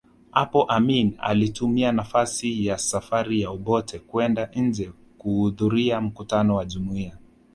Hapo Amin alitumia nafasi ya safari ya Obote kwenda nje kuhudhuria mkutano wa Jumuiya